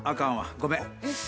ごめん。